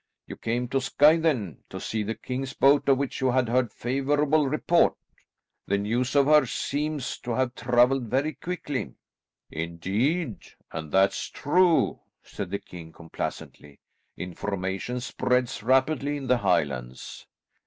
"You came to Skye then to see the king's boat, of which you had heard favourable report? The news of her seems to have travelled very quickly." "Indeed and that's true," said the king complacently. "Information spreads rapidly in the Highlands."